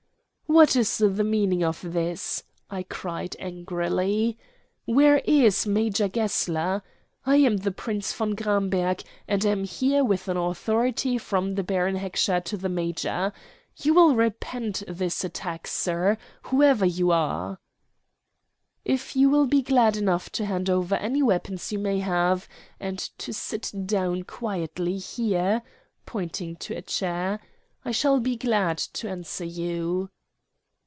"What is the meaning of this?" I cried angrily. "Where is Major Gessler? I am the Prince von Gramberg, and am here with an authority from Baron Heckscher to the major. You will repent this attack, sir, whoever you are." "If you will be good enough to hand over any weapons you may have, and to sit down quietly there" pointing to a chair "I shall be glad to answer you."